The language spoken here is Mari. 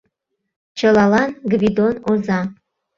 Чылалан — Гвидон оза